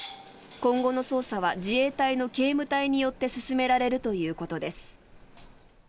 今後の捜査は自衛隊の警務隊によって進められるということです。